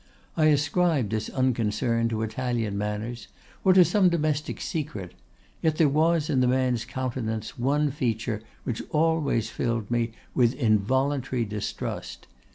I ascribed this unconcern to Italian manners, or to some domestic secret; yet there was in the man's countenance one feature which always filled me with involuntary distrust.